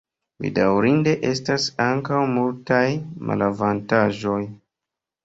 Bedaŭrinde estas ankaŭ multaj malavantaĝoj.